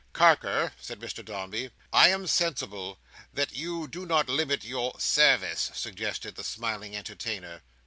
"Carker," said Mr Dombey, "I am sensible that you do not limit your—" "Service," suggested his smiling entertainer.